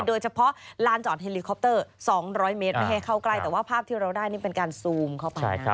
โดยเฉพาะลานจอดเฮลิคอปเตอร์๒๐๐เมตรไม่ให้เข้าใกล้แต่ว่าภาพที่เราได้นี่เป็นการซูมเข้าไปนะ